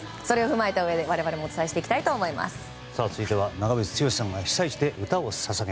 それを踏まえたうえで我々も伝えていこうと思います。